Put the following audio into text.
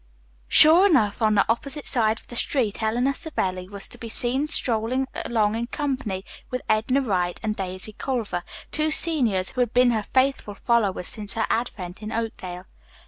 Sure enough, on the opposite side of the street, Eleanor Savelli was to be seen strolling along in company with Edna Wright and Daisy Culver, two seniors who had been her faithful followers since her advent in Oakdale.